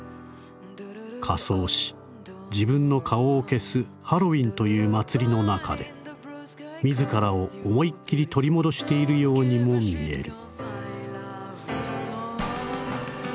仮装し自分の顔を消すハロウィンという祭りの中で自らを思いっ切り取り戻しているようにも見える」。